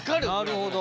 ・なるほど。